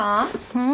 うん？